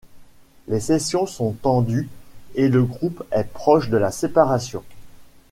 Les sessions sont tendues et le groupe est proche de la séparation.